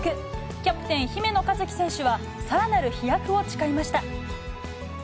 キャプテン、姫野和樹選手はさらなる飛躍を誓いました。